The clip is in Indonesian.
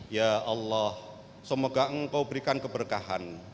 ya allah semoga engkau berikan keberkahan